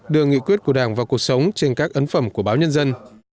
đưa nghị quyết của đảng vào cuộc sống trên các ấn phẩm của báo nhân dân